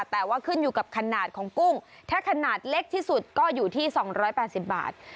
แต่ว่าขึ้นอยู่กับขนาดของกุ้งถ้าขนาดเล็กที่สุดก็อยู่ที่๒๘๐บาท